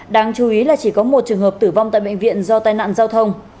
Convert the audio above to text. đáng chú ý là chỉ có một trường hợp tử vong tại bệnh viện do tai nạn giao thông